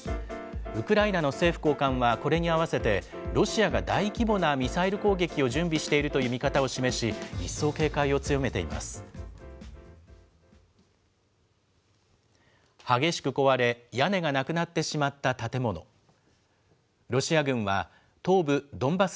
ウクライナの政府高官はこれに合わせて、ロシアが大規模なミサイル攻撃を準備しているという見方を示し、一層、警戒を強めています。